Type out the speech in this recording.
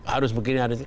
harus begini harus begini